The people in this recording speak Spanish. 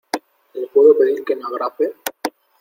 ¿ le puedo pedir que me abrace?